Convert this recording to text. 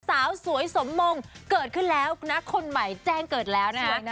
สาวสวยสมมงเกิดขึ้นแล้วนะคนใหม่แจ้งเกิดแล้วนะคะ